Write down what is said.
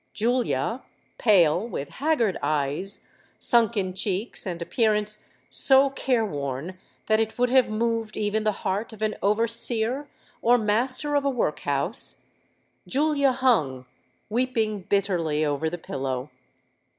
Julia—pale, with haggard eyes, sunken cheeks, and appearance so care worn that it would have moved even the heart of an overseer or master of a workhouse,—Julia hung, weeping bitterly, over the pillow.